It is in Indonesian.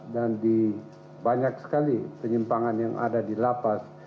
dan banyak sekali penyimpangan yang ada di lapas